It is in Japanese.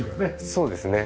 そうですね。